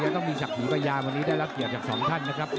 ยังต้องมีสักหีประยาณวันนี้ได้รับเกี่ยวจากสองท่านนะครับ